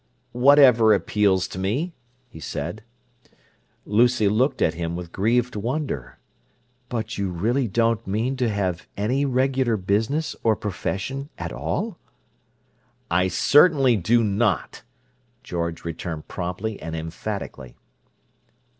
"Whatever appeals to me," he said. Lucy looked at him with grieved wonder. "But you really don't mean to have any regular business or profession at all?" "I certainly do not!" George returned promptly and emphatically.